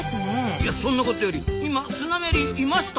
いやそんなことより今スナメリいました？